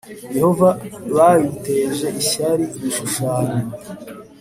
Yehova bayiteje ishyari ibishushanyo